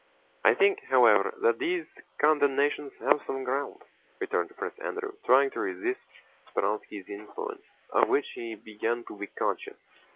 "I think, however, that these condemnations have some ground," returned Prince Andrew, trying to resist Speránski's influence, of which he began to be conscious.